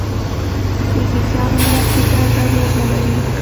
د انګلیسیانو مرستې ته ضرورت نه لري.